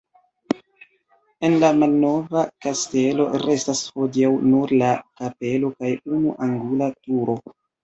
El la malnova kastelo restas hodiaŭ nur la kapelo kaj unu angula turo.